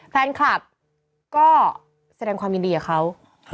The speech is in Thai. แฟนคลับก็แสดงความยินดีกับเขา